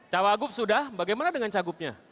cawagup sudah bagaimana dengan cagupnya